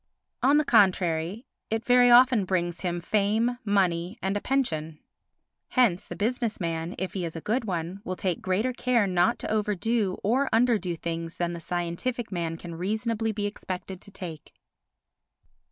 On the contrary it very often brings him fame, money and a pension. Hence the business man, if he is a good one, will take greater care not to overdo or underdo things than the scientific man can reasonably be expected to take.